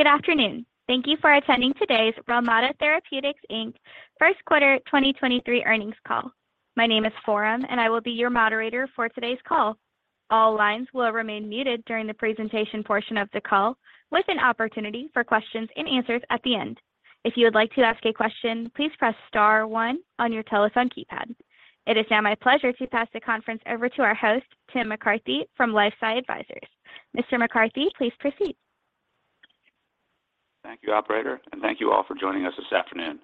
Good afternoon. Thank you for attending today's Relmada Therapeutics, Inc first quarter 2023 earnings call. My name is Forum, and I will be your moderator for today's call. All lines will remain muted during the presentation portion of the call with an opportunity for questions and answers at the end. If you would like to ask a question, please press star one on your telephone keypad. It is now my pleasure to pass the conference over to our host, Tim McCarthy from LifeSci Advisors. Mr. McCarthy, please proceed. Thank you, operator, and thank you all for joining us this afternoon.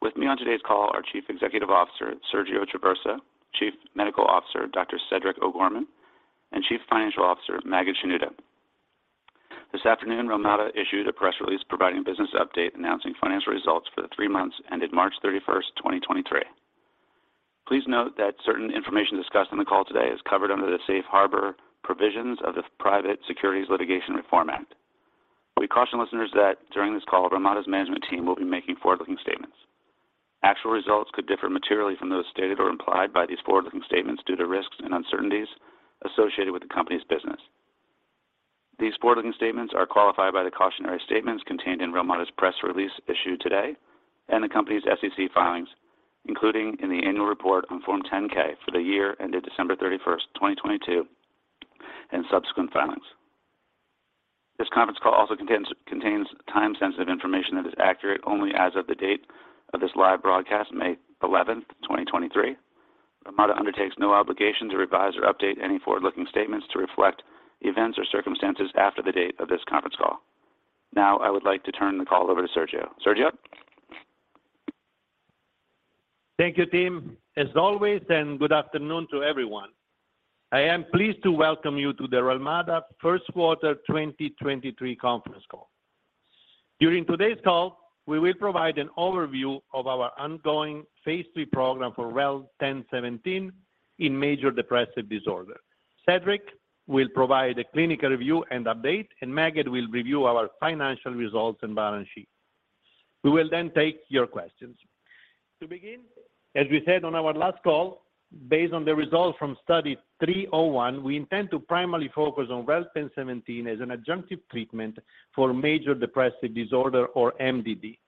With me on today's call are Chief Executive Officer, Sergio Traversa; Chief Medical Officer, Dr. Cedric O'Gorman; and Chief Financial Officer, Maged Shenouda. This afternoon, Relmada issued a press release providing business update announcing financial results for the three months ended March 31st, 2023. Please note that certain information discussed on the call today is covered under the safe harbor provisions of the Private Securities Litigation Reform Act of 1995. We caution listeners that during this call, Relmada's management team will be making forward-looking statements. Actual results could differ materially from those stated or implied by these forward-looking statements due to risks and uncertainties associated with the company's business. These forward-looking statements are qualified by the cautionary statements contained in Relmada's press release issued today and the company's SEC filings, including in the annual report on Form 10-K for the year ended December 31st, 2022, and subsequent filings. This conference call also contains time-sensitive information that is accurate only as of the date of this live broadcast, May 11th, 2023. Relmada undertakes no obligations to revise or update any forward-looking statements to reflect events or circumstances after the date of this conference call. I would like to turn the call over to Sergio. Sergio? Thank you, Tim. As always and good afternoon to everyone. I am pleased to welcome you to the Relmada first quarter 2023 conference call. During today's call, we will provide an overview of our ongoing Phase III program for REL-1017 in major depressive disorder. Cedric will provide a clinical review and update, and Maged will review our financial results and balance sheet. We will take your questions. To begin, as we said on our last call, based on the results from Study 301, we intend to primarily focus on REL-1017 as an adjunctive treatment for major depressive disorder or MDD.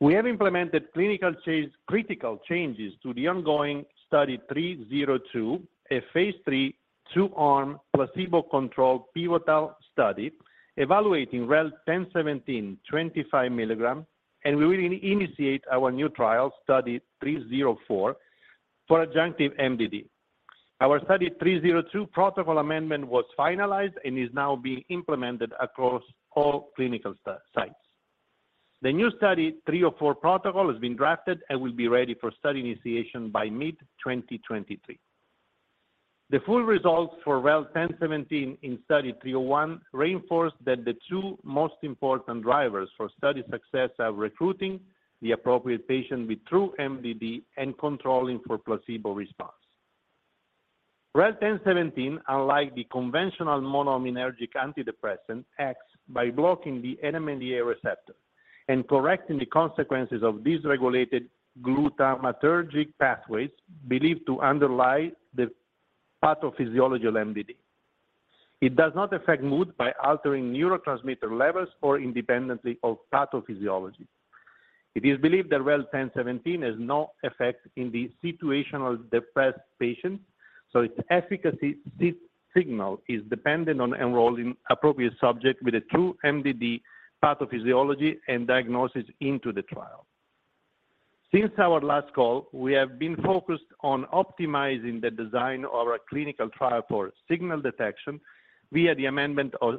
We have implemented critical changes to the ongoing Study 302, a Phase III two-arm placebo-controlled pivotal study evaluating REL-1017 25 milligrams, and we will initiate our new trial Study 304 for adjunctive MDD. Our Study 302 protocol amendment was finalized and is now being implemented across all clinical sites. The new Study 304 protocol has been drafted and will be ready for study initiation by mid-2023. The full results for REL-1017 in Study 301 reinforce that the two most important drivers for study success are recruiting the appropriate patient with true MDD and controlling for placebo response. REL-1017, unlike the conventional monoaminergic antidepressant, acts by blocking the NMDA receptor and correcting the consequences of dysregulated glutamatergic pathways believed to underlie the pathophysiology of MDD. It does not affect mood by altering neurotransmitter levels or independently of pathophysiology. It is believed that REL-1017 has no effect in the situational depressed patient, so its efficacy signal is dependent on enrolling appropriate subject with a true MDD pathophysiology and diagnosis into the trial. Since our last call, we have been focused on optimizing the design of our clinical trial for signal detection via the amendment of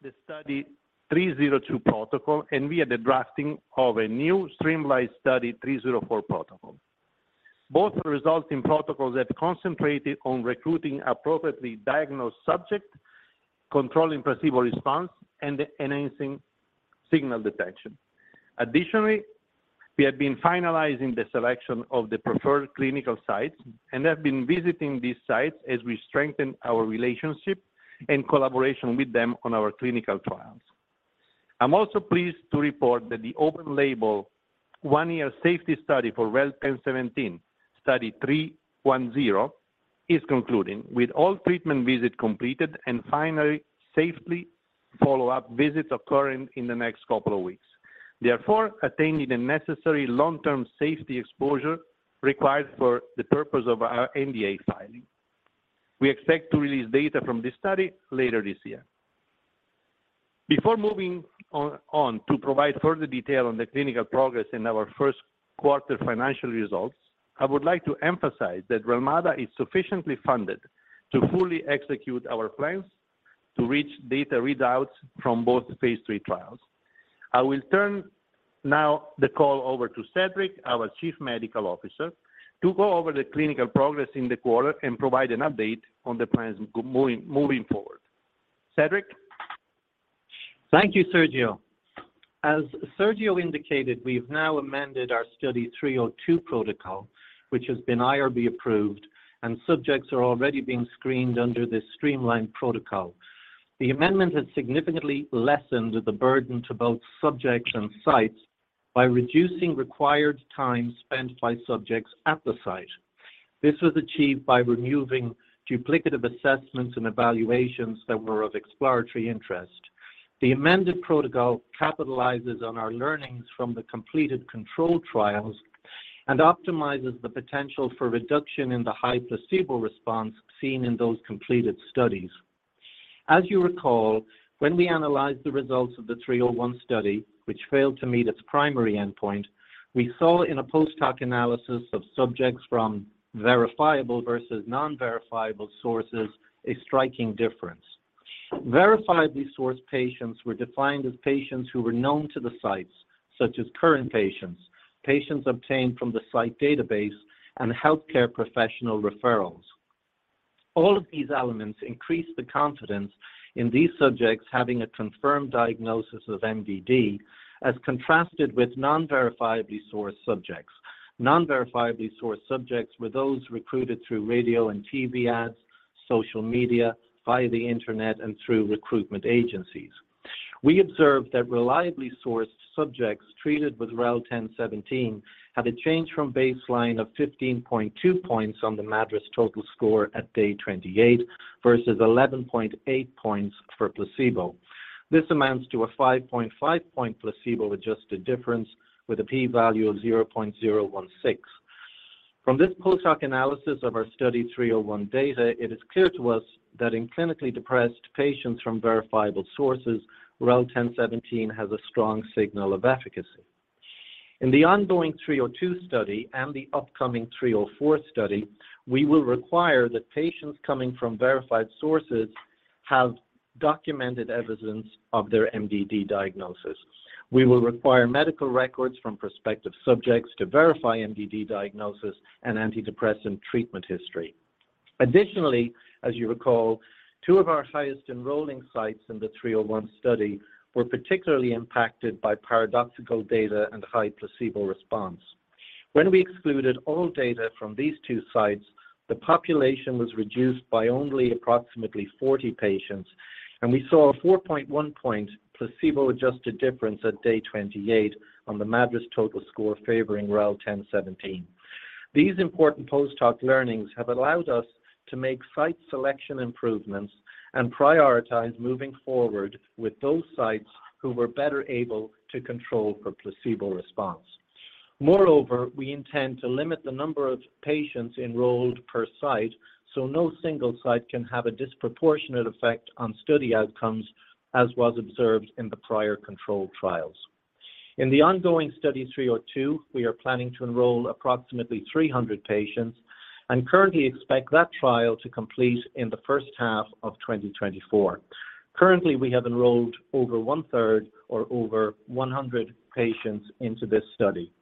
the Study 302 protocol and via the drafting of a new streamlined Study 304 protocol. Both resulting protocols have concentrated on recruiting appropriately diagnosed subject, controlling placebo response, and enhancing signal detection. Additionally, we have been finalizing the selection of the preferred clinical sites and have been visiting these sites as we strengthen our relationship in collaboration with them on our clinical trials. I'm also pleased to report that the open label one-year safety study for REL-1017, Study 310, is concluding with all treatment visit completed and final safety follow-up visits occurring in the next couple of weeks, therefore attaining the necessary long-term safety exposure required for the purpose of our NDA filing. We expect to release data from this study later this year. Before moving on to provide further detail on the clinical progress in our first quarter financial results, I would like to emphasize that Relmada is sufficiently funded to fully execute our plans to reach data readouts from both Phase III trials. I will turn now the call over to Cedric, our Chief Medical Officer, to go over the clinical progress in the quarter and provide an update on the plans moving forward. Cedric? Thank you, Sergio. As Sergio indicated, we've now amended our Study 302 protocol, which has been IRB approved and subjects are already being screened under this streamlined protocol. The amendment has significantly lessened the burden to both subjects and sites by reducing required time spent by subjects at the site. This was achieved by removing duplicative assessments and evaluations that were of exploratory interest. The amended protocol capitalizes on our learnings from the completed control trials and optimizes the potential for reduction in the high placebo response seen in those completed studies. As you recall, when we analyzed the results of the Study 301, which failed to meet its primary endpoint, we saw in a post-hoc analysis of subjects from verifiable versus non-verifiable sources a striking difference. Verifiably sourced patients were defined as patients who were known to the sites, such as current patients obtained from the site database, and healthcare professional referrals. All of these elements increase the confidence in these subjects having a confirmed diagnosis of MDD as contrasted with non-verifiably sourced subjects. Non-verifiably sourced subjects were those recruited through radio and TV ads, social media, via the Internet, and through recruitment agencies. We observed that reliably sourced subjects treated with REL-1017 had a change from baseline of 15.2 points on the MADRS total score at day 28 versus 11.8 points for placebo. This amounts to a 5.5 point placebo-adjusted difference with a p-value of 0.016. From this post-hoc analysis of our Study 301 data, it is clear to us that in clinically depressed patients from verifiable sources, REL-1017 has a strong signal of efficacy. In the ongoing Study 302 and the upcoming Study 304, we will require that patients coming from verified sources have documented evidence of their MDD diagnosis. We will require medical records from prospective subjects to verify MDD diagnosis and antidepressant treatment history. Additionally, as you recall, two of our highest enrolling sites in the Study 301 were particularly impacted by paradoxical data and high placebo response. When we excluded all data from these two sites, the population was reduced by only approximately 40 patients, and we saw a 4.1 point placebo-adjusted difference at day 28 on the MADRS total score favoring REL-1017. These important post-hoc learnings have allowed us to make site selection improvements and prioritize moving forward with those sites who were better able to control for placebo response. Moreover, we intend to limit the number of patients enrolled per site so no single site can have a disproportionate effect on study outcomes, as was observed in the prior controlled trials. In the ongoing Study 302, we are planning to enroll approximately 300 patients and currently expect that trial to complete in the first half of 2024. Currently, we have enrolled over one-third or over 100 patients into this study.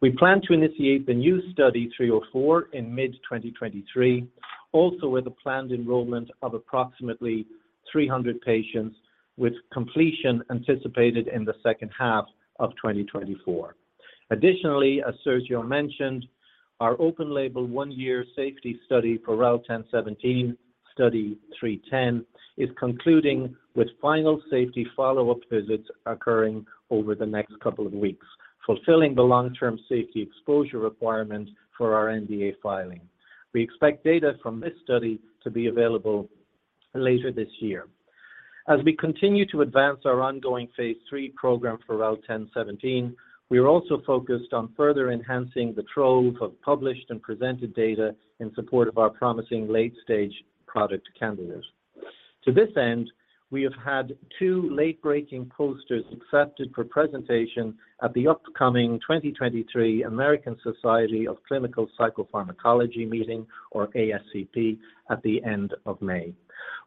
We plan to initiate the new Study 304 in mid-2023, also with a planned enrollment of approximately 300 patients, with completion anticipated in the second half of 2024. Additionally, as Sergio mentioned, our open-label one-year safety study for REL-1017, Study 310, is concluding with final safety follow-up visits occurring over the next couple of weeks, fulfilling the long-term safety exposure requirement for our NDA filing. We expect data from this study to be available later this year. As we continue to advance our ongoing phase III program for REL-1017, we are also focused on further enhancing the trove of published and presented data in support of our promising late-stage product candidate. To this end, we have had two late-breaking posters accepted for presentation at the upcoming 2023 American Society of Clinical Psychopharmacology meeting or ASCP at the end of May.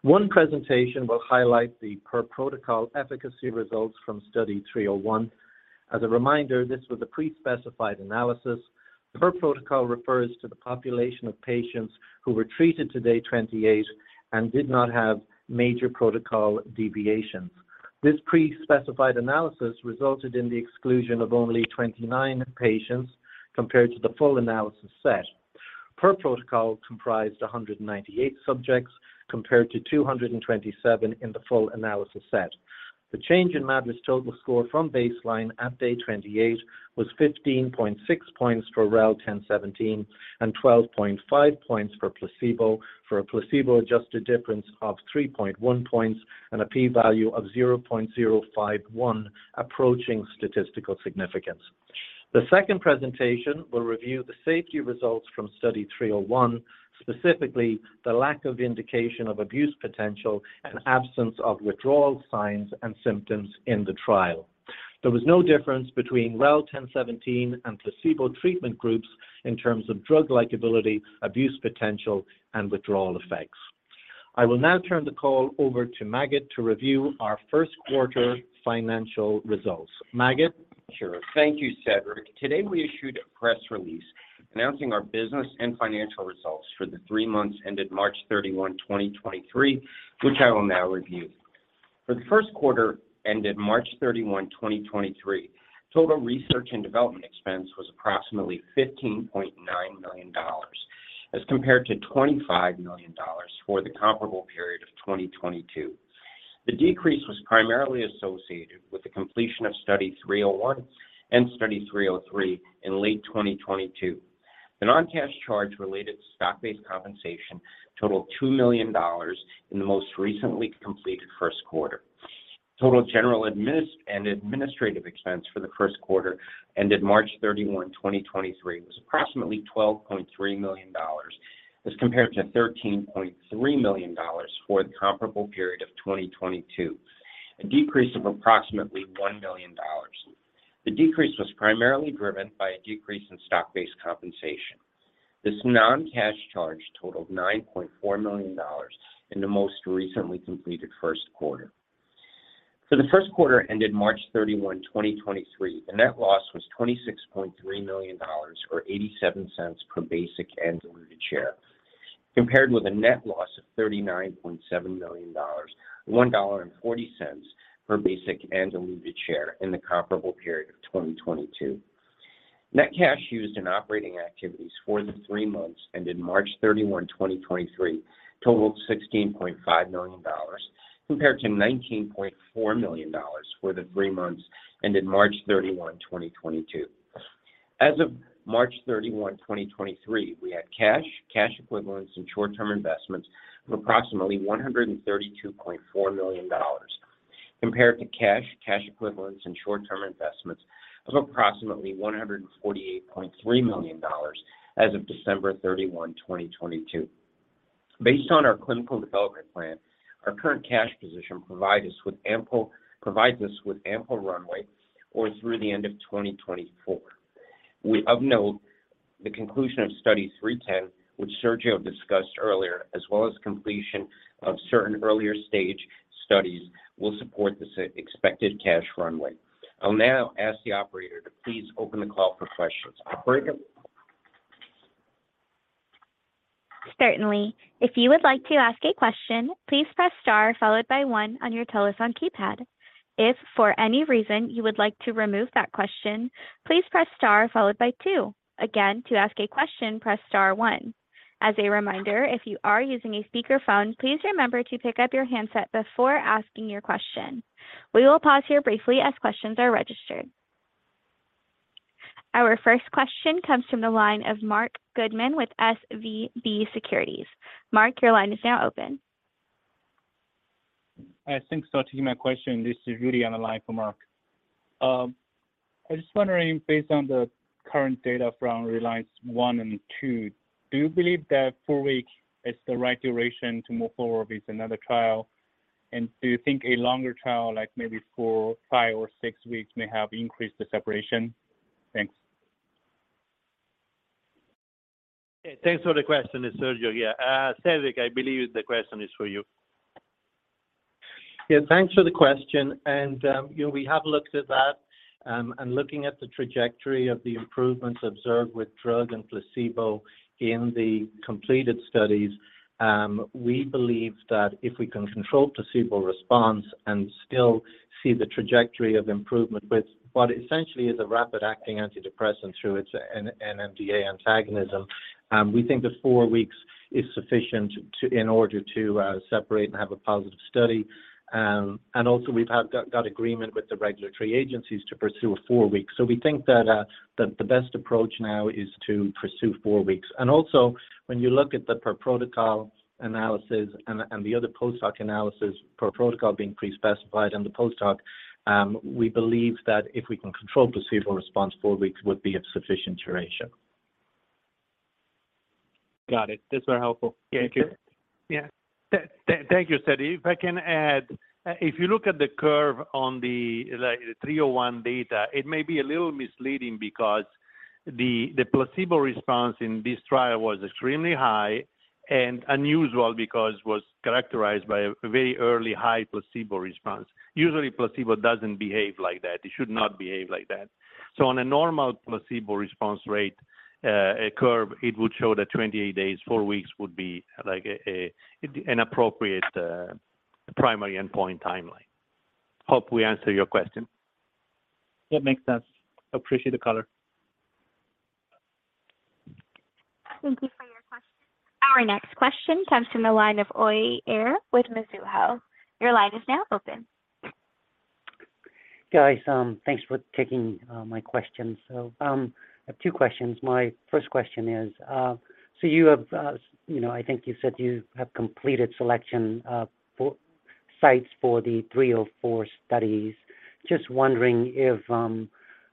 One presentation will highlight the per-protocol efficacy results from Study 301. As a reminder, this was a pre-specified analysis. Per-protocol refers to the population of patients who were treated to day 28 and did not have major protocol deviations. This pre-specified analysis resulted in the exclusion of only 29 patients compared to the full analysis set. Per-protocol comprised 198 subjects compared to 227 in the full analysis set. The change in MADRS total score from baseline at day 28 was 15.6 points for REL-1017 and 12.5 points for placebo for a placebo-adjusted difference of 3.1 points and a p-value of 0.051 approaching statistical significance. The second presentation will review the safety results from Study 301, specifically the lack of indication of abuse potential and absence of withdrawal signs and symptoms in the trial. There was no difference between REL-1017 and placebo treatment groups in terms of drug likability, abuse potential, and withdrawal effects. I will now turn the call over to Maged to review our first quarter financial results. Maged? Sure. Thank you, Cedric. Today, we issued a press release announcing our business and financial results for the three months ended March 31, 2023, which I will now review. For the first quarter ended March 31, 2023, total research and development expense was approximately $15.9 million as compared to $25 million for the comparable period of 2022. The decrease was primarily associated with the completion of Study 301 and Study 303 in late 2022. The non-cash charge related to stock-based compensation totaled $2 million in the most recently completed first quarter. Total general and administrative expense for the first quarter ended March 31, 2023, was approximately $12.3 million as compared to $13.3 million for the comparable period of 2022, a decrease of approximately $1 million. The decrease was primarily driven by a decrease in stock-based compensation. This non-cash charge totaled $9.4 million in the most recently completed first quarter. For the first quarter ended March 31, 2023, the net loss was $26.3 million or $0.87 per basic and diluted share, compared with a net loss of $39.7 million, $1.40 per basic and diluted share in the comparable period of 2022. Net cash used in operating activities for the three months ended March 31, 2023 totaled $16.5 million compared to $19.4 million for the three months ended March 31, 2022. As of March 31, 2023, we had cash equivalents and short-term investments of approximately $132.4 million compared to cash equivalents and short-term investments of approximately $148.3 million as of December 31, 2022. Based on our clinical development plan, our current cash position provides us with ample runway through the end of 2024. Of note, the conclusion of Study 310, which Sergio discussed earlier, as well as completion of certain earlier stage studies will support this expected cash runway. I'll now ask the operator to please open the call for questions. Operator. Certainly. If you would like to ask a question, please press Star followed by one on your telephone keypad. If for any reason you would like to remove that question, please press Star followed by two. Again, to ask a question, press Star one. As a reminder, if you are using a speakerphone, please remember to pick up your handset before asking your question. We will pause here briefly as questions are registered. Our first question comes from the line of Marc Goodman with SVB Securities. Marc, your line is now open. Thanks. To my question, this is really on the line for Marc. I'm just wondering, based on the current data from RELIANCE I and II, do you believe that four weeks is the right duration to move forward with another trial? Do you think a longer trial, like maybe four, five or six weeks, may have increased the separation? Thanks. Thanks for the question. It's Sergio here. Cedric, I believe the question is for you. Yeah, thanks for the question. You know, we have looked at that, looking at the trajectory of the improvements observed with drug and placebo in the completed studies, we believe that if we can control placebo response and still see the trajectory of improvement with what essentially is a rapid acting antidepressant through its N-NMDA antagonism, we think that four weeks is sufficient in order to separate and have a positive study. Also we've got agreement with the regulatory agencies to pursue a four week. We think that the best approach now is to pursue four weeks. Also when you look at the per-protocol analysis and the other post hoc analysis, per-protocol being pre-specified and the post hoc, we believe that if we can control placebo response, four weeks would be a sufficient duration. Got it. That's very helpful. Thank you. Yeah. Yeah. Thank you, Cedric. If I can add, if you look at the curve on the like the 301 data, it may be a little misleading because the placebo response in this trial was extremely high and unusual because was characterized by a very early high placebo response. Usually placebo doesn't behave like that. It should not behave like that. On a normal placebo response rate, curve, it would show that 28 days, four weeks would be like an appropriate, primary endpoint timeline. Hope we answered your question. Yeah, makes sense. Appreciate the color. Thank you for your question. Our next question comes from the line of Uy Ear with Mizuho. Your line is now open. Guys, thanks for taking my question. I have two questions. My first question is, you know, I think you said you have completed selection for sites for the Study 304 studies. Just wondering if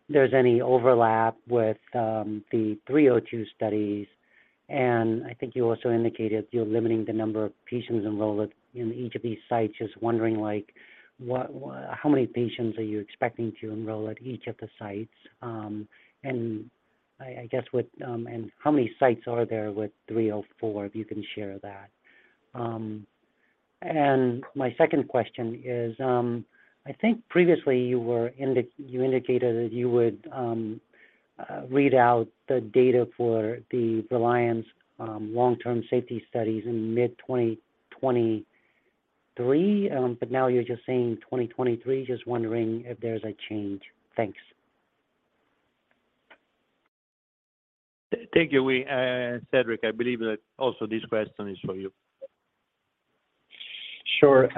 there's any overlap with the Study 302 studies. I think you also indicated you're limiting the number of patients enrolled in each of these sites. Just wondering like, how many patients are you expecting to enroll at each of the sites? I guess with, and how many sites are there with Study 304, if you can share that. My second question is, I think previously you indicated that you would read out the data for the RELIANCE long-term safety studies in mid 2023. Now you're just saying 2023. Just wondering if there's a change. Thanks. Thank you. We, Cedric, I believe that also this question is for you. Sure.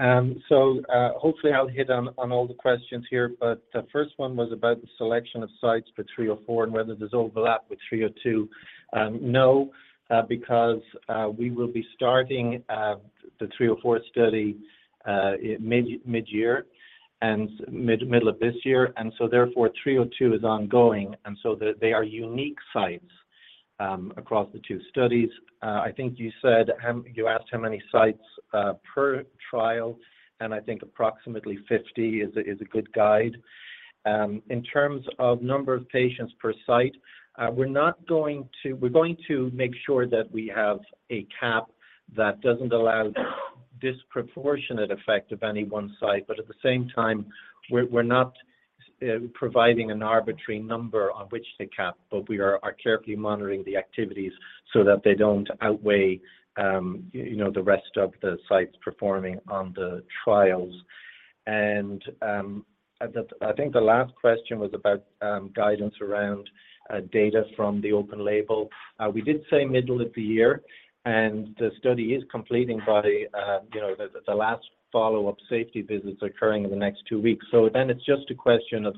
Hopefully I'll hit on all the questions here, but the first one was about the selection of sites for 304 and whether there's overlap with 302. No, because we will be starting the 304 study mid-year and mid-middle of this year, therefore 302 is ongoing, they are unique sites across the two studies. I think you said, you asked how many sites per trial, and I think approximately 50 is a good guide. In terms of number of patients per site, we're not going to... We're going to make sure that we have a cap that doesn't allow disproportionate effect of any one site, but at the same time we're not providing an arbitrary number on which to cap, but we are carefully monitoring the activities so that they don't outweigh, you know, the rest of the sites performing on the trials. I think the last question was about guidance around data from the open label. We did say middle of the year, and the study is completing by, you know, the last follow-up safety visits occurring in the next two weeks. It's just a question of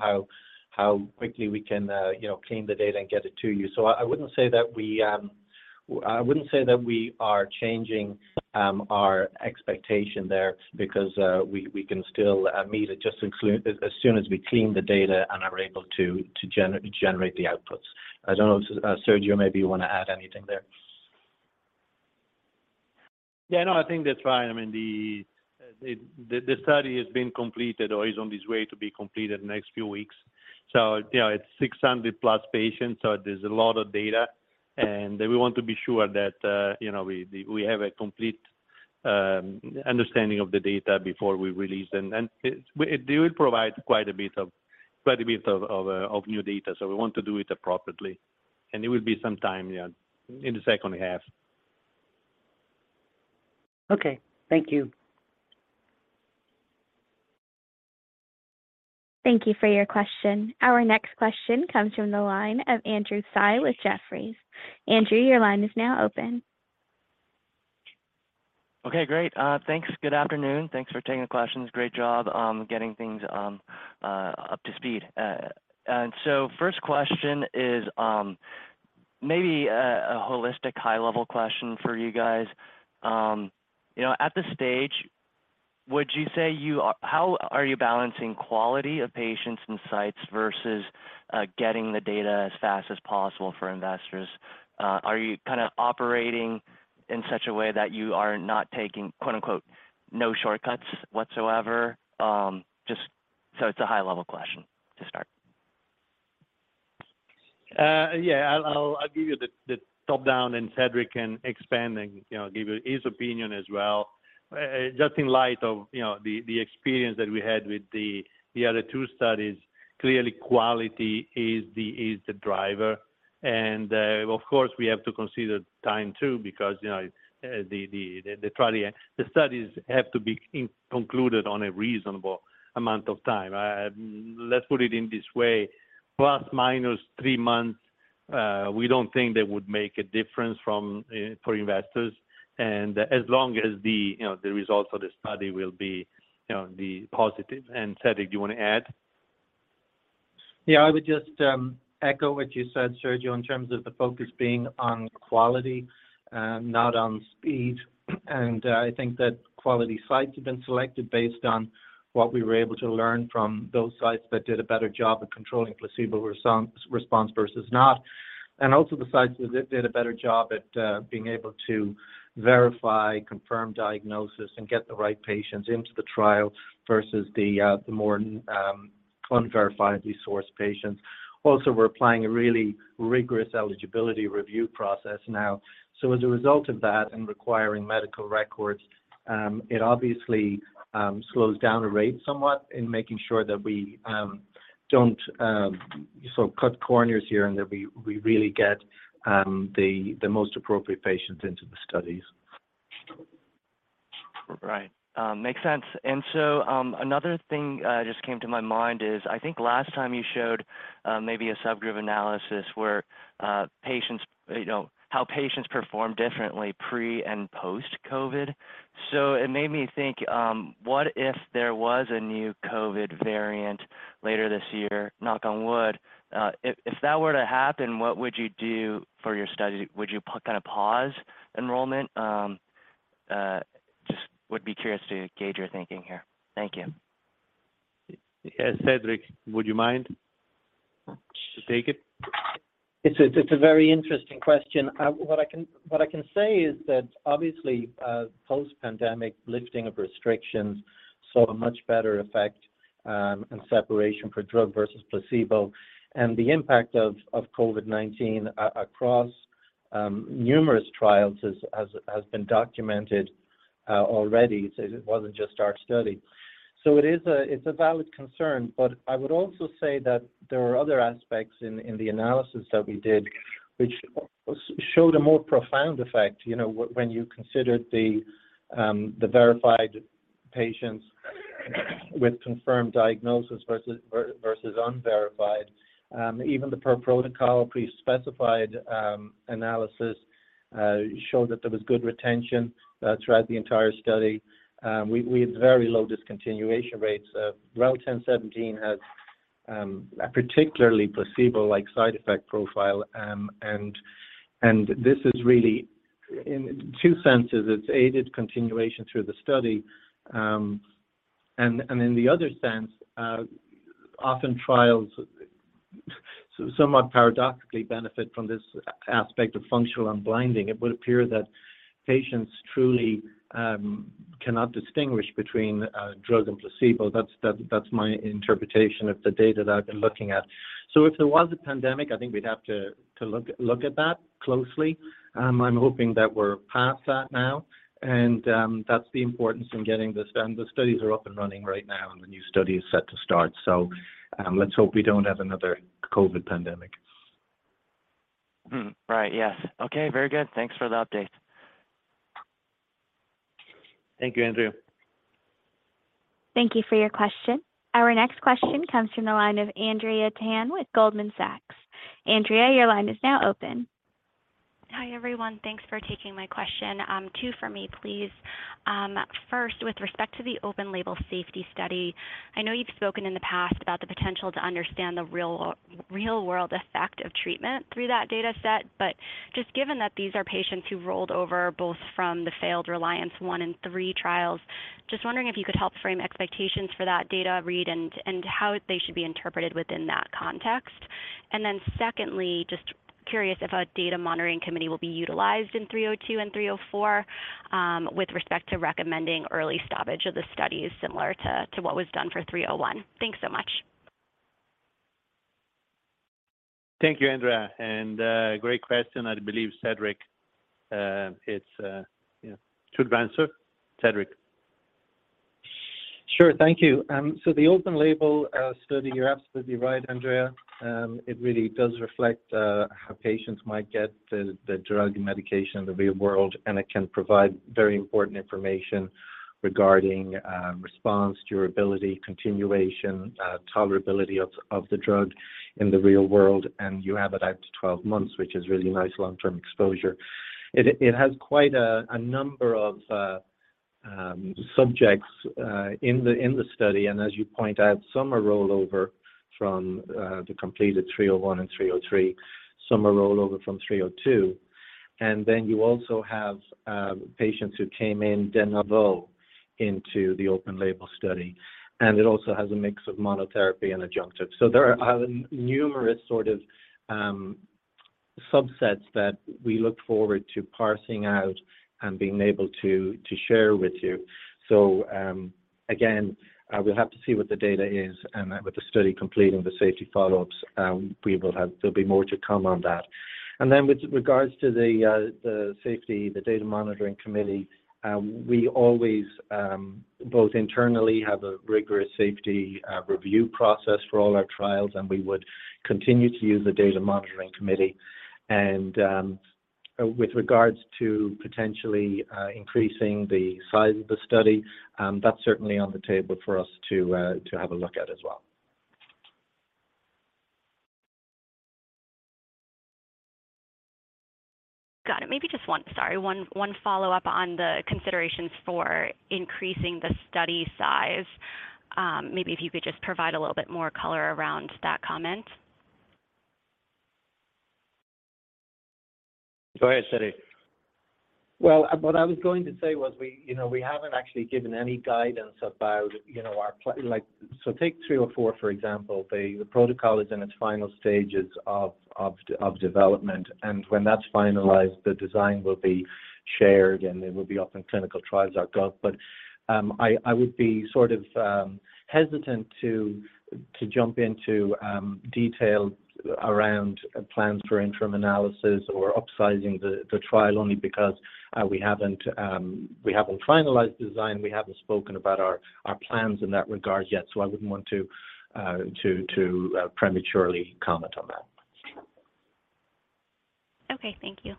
how quickly we can, you know, clean the data and get it to you. I wouldn't say that we, I wouldn't say that we are changing, our expectation there because we can still meet it just as soon as we clean the data and are able to generate the outputs. I don't know, Sergio, maybe you wanna add anything there. Yeah, no, I think that's right. I mean, the study has been completed or is on its way to be completed next few weeks. You know, it's 600 plus patients, so there's a lot of data, and we want to be sure that, you know, we have a complete understanding of the data before we release. It will provide quite a bit of new data, so we want to do it appropriately. It will be some time, yeah, in the second half. Okay. Thank you. Thank you for your question. Our next question comes from the line of Andrew Tsai with Jefferies. Andrew, your line is now open. Okay, great. Thanks. Good afternoon. Thanks for taking the questions. Great job, getting things up to speed. First question is, maybe a holistic high-level question for you guys. You know, at this stage, would you say how are you balancing quality of patients and sites versus getting the data as fast as possible for investors? Are you kind of operating in such a way that you are not taking, quote-unquote, "no shortcuts" whatsoever? Just so it's a high-level question to start. Yeah, I'll give you the top-down, and Cedric can expand and, you know, give you his opinion as well. Just in light of, you know, the experience that we had with the other two studies, clearly quality is the driver. Of course, we have to consider time too because, you know, the trial, the studies have to be concluded on a reasonable amount of time. Let's put it in this way, plus minus three months, we don't think that would make a difference for investors, as long as, you know, the results of the study will be, you know, positive. Cedric, you wanna add? Yeah, I would just echo what you said, Sergio, in terms of the focus being on quality, not on speed. I think that quality sites have been selected based on what we were able to learn from those sites that did a better job at controlling placebo response versus not. Also the sites that did a better job at being able to verify confirmed diagnosis and get the right patients into the trial versus the more unverified resource patients. Also, we're applying a really rigorous eligibility review process now. As a result of that and requiring medical records, it obviously slows down the rate somewhat in making sure that we don't so cut corners here and that we really get the most appropriate patients into the studies. Right. Makes sense. Another thing just came to my mind is I think last time you showed maybe a subgroup analysis where patients, you know, how patients performed differently pre and post COVID. It made me think, what if there was a new COVID variant later this year? Knock on wood. If that were to happen, what would you do for your study? Would you kinda pause enrollment? Just would be curious to gauge your thinking here. Thank you. Yeah, Cedric, would you mind to take it? It's a very interesting question. What I can say is that obviously, post-pandemic lifting of restrictions saw a much better effect and separation for drug versus placebo. The impact of COVID-19 across numerous trials has been documented already. It wasn't just our study. It's a valid concern, but I would also say that there are other aspects in the analysis that we did, which showed a more profound effect, you know, when you considered the verified patients with confirmed diagnosis versus unverified. Even the per-protocol pre-specified analysis showed that there was good retention throughout the entire study. We had very low discontinuation rates. REL-1017 has a particularly placebo-like side effect profile. This is really in two senses. It's aided continuation through the study, and in the other sense, often trials somewhat paradoxically benefit from this aspect of functional unblinding. It would appear that patients truly cannot distinguish between drug and placebo. That's my interpretation of the data that I've been looking at. If there was a pandemic, I think we'd have to look at that closely. I'm hoping that we're past that now, and that's the importance in getting this done. The studies are up and running right now, and the new study is set to start. Let's hope we don't have another COVID pandemic. Right. Yes. Okay. Very good. Thanks for the update. Thank you, Andrew. Thank you for your question. Our next question comes from the line of Andrea Tan with Goldman Sachs. Andrea, your line is now open. Hi, everyone. Thanks for taking my question. Two for me, please. First, with respect to the open label safety study, I know you've spoken in the past about the potential to understand the real world effect of treatment through that data set, but just given that these are patients who rolled over both from the failed RELIANCE I and RELIANCE III trials, just wondering if you could help frame expectations for that data read and how they should be interpreted within that context. Then secondly, just curious if a data monitoring committee will be utilized in 302 and 304 with respect to recommending early stoppage of the studies similar to what was done for 301. Thanks so much. Thank you, Andrea, and great question. I believe, Cedric, it's, you know, to answer. Cedric. Sure. Thank you. The open label study, you're absolutely right, Andrea. It really does reflect how patients might get the drug medication in the real world, and it can provide very important information regarding response, durability, continuation, tolerability of the drug in the real world, and you have it out to 12 months, which is really nice long-term exposure. It has quite a number of subjects in the study, as you point out, some are rollover from the completed 301 and 303. Some are rollover from 302. You also have patients who came in de novo into the open label study. It also has a mix of monotherapy and adjunctive. There are numerous sort of subsets that we look forward to parsing out and being able to share with you. Again, we'll have to see what the data is and with the study completing the safety follow-ups, there'll be more to come on that. With regards to the safety, the data monitoring committee, we always both internally have a rigorous safety review process for all our trials, and we would continue to use the data monitoring committee. With regards to potentially increasing the size of the study, that's certainly on the table for us to have a look at as well. Got it. Maybe just one. Sorry. One follow-up on the considerations for increasing the study size. Maybe if you could just provide a little bit more color around that comment. Go ahead, Cedric. Well, what I was going to say was we, you know, we haven't actually given any guidance about, you know, our like, so take 304, for example. The protocol is in its final stages of development. When that's finalized, the design will be shared, and it will be up in ClinicalTrials.gov. I would be sort of hesitant to jump into detail around plans for interim analysis or upsizing the trial only because we haven't finalized design. We haven't spoken about our plans in that regard yet. I wouldn't want to prematurely comment on that. Okay. Thank you.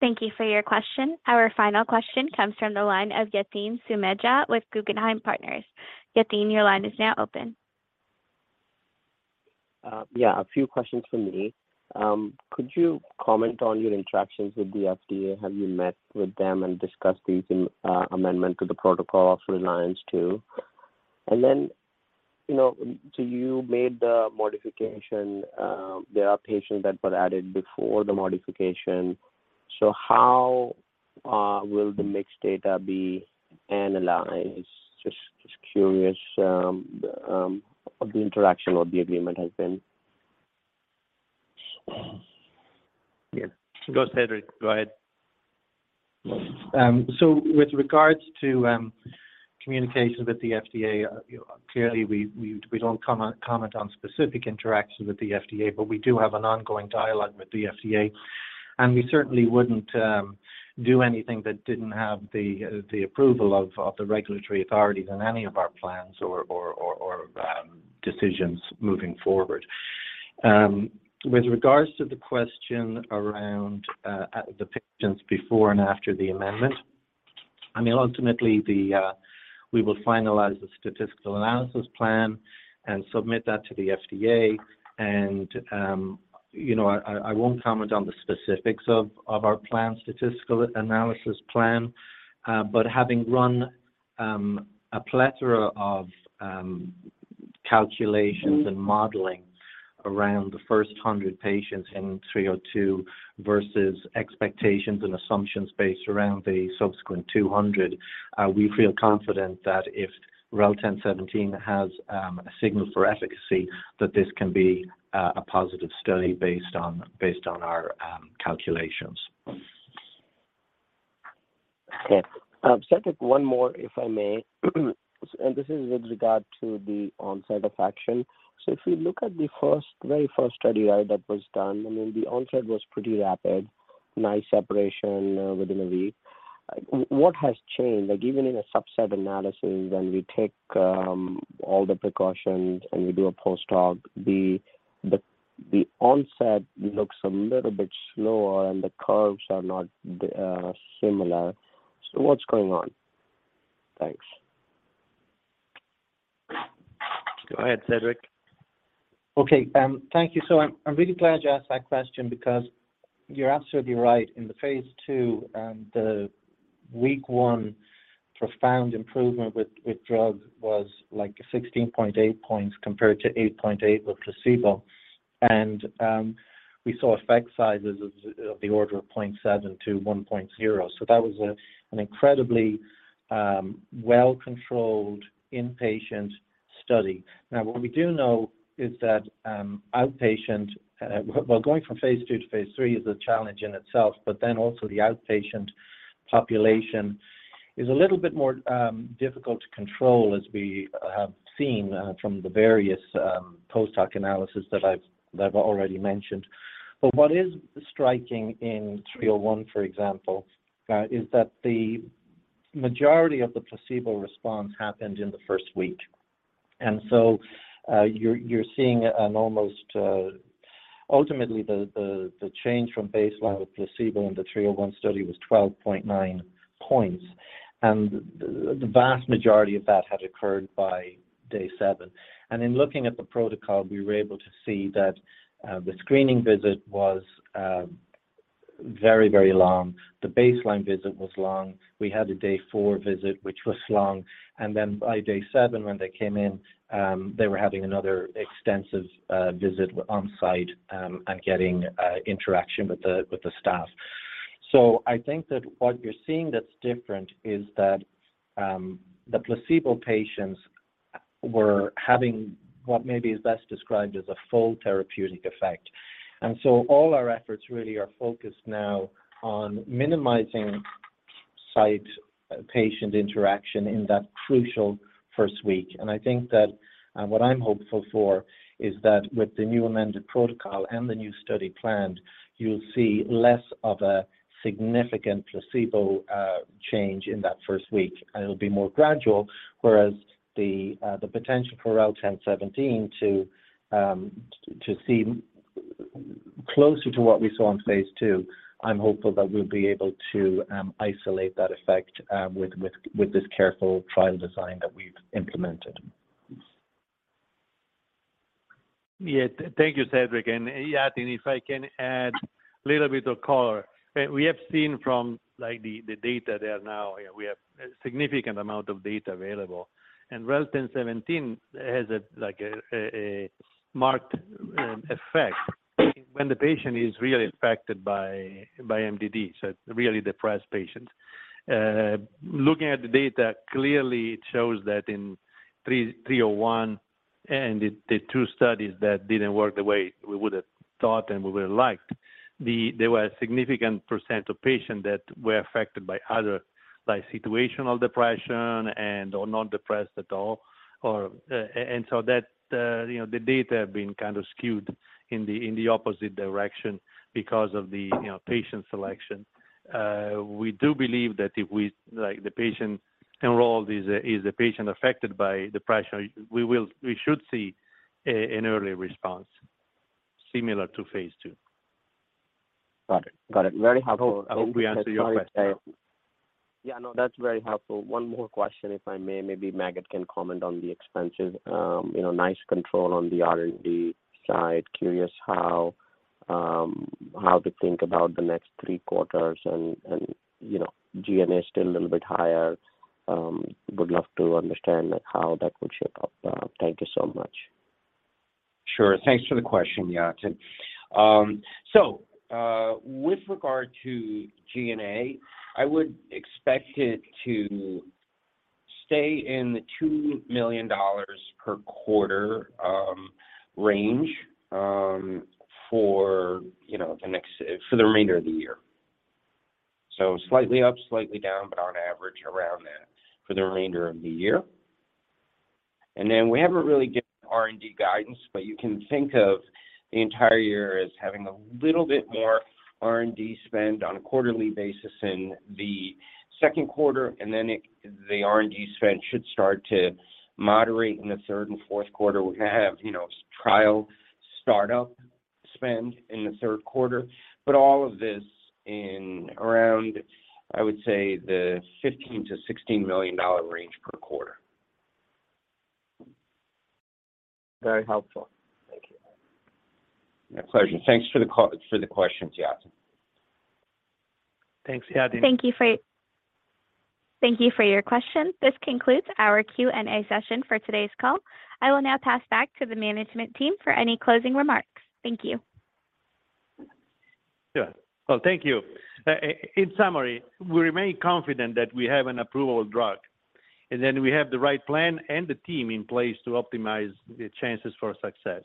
Thank you for your question. Our final question comes from the line of Yatin Suneja with Guggenheim Partners. Yatin, your line is now open. Yeah, a few questions from me. Could you comment on your interactions with the FDA? Have you met with them and discussed these amendment to the protocol for RELIANCE II? Then, you know, you made the modification. There are patients that were added before the modification. How will the mixed data be analyzed? Just curious, the interaction or the agreement has been. Yeah. Go ahead, Cedric. Go ahead. With regards to communications with the FDA, you know, clearly, we don't comment on specific interactions with the FDA, but we do have an ongoing dialogue with the FDA. We certainly wouldn't do anything that didn't have the approval of the regulatory authorities in any of our plans or decisions moving forward. With regards to the question around the patients before and after the amendment, I mean, ultimately we will finalize the statistical analysis plan and submit that to the FDA. You know, I won't comment on the specifics of our plan, statistical analysis plan, but having run a plethora of calculations and modeling around the first 100 patients in Study 302 versus expectations and assumptions based around the subsequent 200, we feel confident that if REL-1017 has a signal for efficacy, that this can be a positive study based on our calculations. Okay. Cedric, one more, if I may. This is with regard to the onset of action. If you look at the first, very first study that was done, I mean, the onset was pretty rapid, nice separation within a week. What has changed? Like even in a subset analysis when we take all the precautions and we do a post-hoc, the onset looks a little bit slower and the curves are not similar. What's going on? Thanks. Go ahead, Cedric. Okay. Thank you. I'm really glad you asked that question because you're absolutely right. In the phase II, the week one profound improvement with drug was like 16.8 points compared to 8.8 with placebo. We saw effect sizes of the order of 0.7-1.0. That was an incredibly well-controlled inpatient study. Now what we do know is that, outpatient... well, going from phase II to phase III is a challenge in itself, but then also the outpatient population is a little bit more difficult to control as we have seen from the various post-hoc analysis that I've already mentioned. What is striking in 301, for example, is that the majority of the placebo response happened in the first week. Ultimately, the change from baseline with placebo in Study 301 was 12.9 points, and the vast majority of that had occurred by day seven. In looking at the protocol, we were able to see that the screening visit was very, very long. The baseline visit was long. We had a day four visit which was long, then by day seven when they came in, they were having another extensive visit on site and getting interaction with the staff. I think that what you're seeing that's different is that the placebo patients were having what maybe is best described as a full therapeutic effect. All our efforts really are focused now on minimizing site patient interaction in that crucial first week. I think that, and what I'm hopeful for is that with the new amended protocol and the new study planned, you'll see less of a significant placebo change in that first week, and it'll be more gradual. The potential for REL-1017 to seem closer to what we saw in phase II, I'm hopeful that we'll be able to isolate that effect with this careful trial design that we've implemented. Thank you, Cedric. Yatin, if I can add little bit of color. We have seen from like the data there now, we have a significant amount of data available, and REL-1017 has a like a marked effect when the patient is really affected by MDD, so really depressed patients. Looking at the data clearly it shows that in 301 and the two studies that didn't work the way we would've thought and we would've liked, there were a significant percent of patients that were affected by other, like situational depression and/or not depressed at all or. So that, you know, the data have been kind of skewed in the opposite direction because of the, you know, patient selection. We do believe that if we, like the patient enrolled is a patient affected by depression, we should see an early response similar to phase II. Got it. Very helpful. I hope we answered your question. Yeah, no, that's very helpful. One more question if I may. Maybe Maged can comment on the expenses. you know, nice control on the R&D side. Curious how to think about the next three quarters and, you know, G&A still a little bit higher? would love to understand like how that would shape up? thank you so much. Sure. Thanks for the question, Yatin. With regard to G&A, I would expect it to stay in the $2 million per quarter range for, you know, the remainder of the year. Slightly up, slightly down, but on average around that for the remainder of the year. We haven't really given R&D guidance, but you can think of the entire year as having a little bit more R&D spend on a quarterly basis in the second quarter, then the R&D spend should start to moderate in the third and fourth quarter. We're gonna have, you know, trial startup spend in the third quarter, but all of this in around, I would say, the $15 million-$16 million range per quarter. Very helpful. Thank you. My pleasure. Thanks for the questions, Yatin. Thanks, Yatin. Thank you for your question. This concludes our Q&A session for today's call. I will now pass back to the management team for any closing remarks. Thank you. Sure. Well, thank you. In summary, we remain confident that we have an approvable drug, and that we have the right plan and the team in place to optimize the chances for success.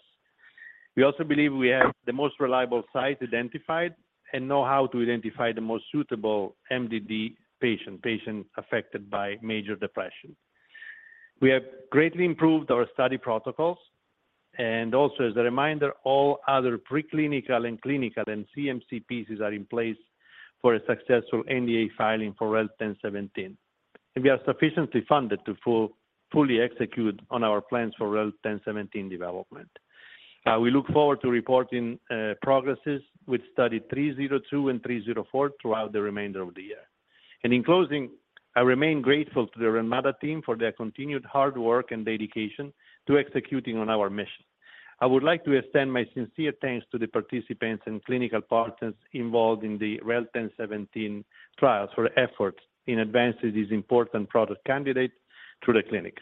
We also believe we have the most reliable site identified and know how to identify the most suitable MDD patient, patients affected by major depression. We have greatly improved our study protocols. Also as a reminder, all other preclinical and clinical and CMC pieces are in place for a successful NDA filing for REL-1017. We are sufficiently funded to fully execute on our plans for REL-1017 development. We look forward to reporting progresses with Study 302 and 304 throughout the remainder of the year. In closing, I remain grateful to the Relmada team for their continued hard work and dedication to executing on our mission. I would like to extend my sincere thanks to the participants and clinical partners involved in the REL-1017 trials for efforts in advancing this important product candidate through the clinic.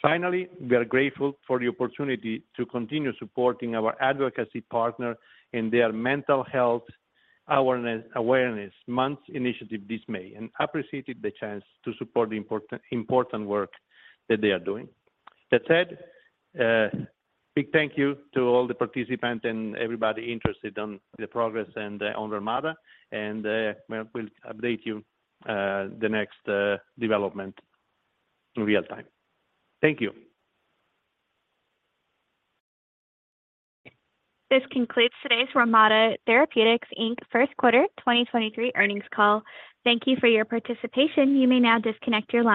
Finally, we are grateful for the opportunity to continue supporting our advocacy partner in their Mental Health Awareness Month initiative this May and appreciated the chance to support the important work that they are doing. That said, big thank you to all the participants and everybody interested on the progress and on Relmada, and we'll update you the next development in real time. Thank you. This concludes today's Relmada Therapeutics Inc. first quarter 2023 earnings call. Thank you for your participation. You may now disconnect your line.